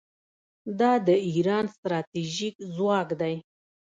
دا د ایران ستراتیژیک ځواک دی.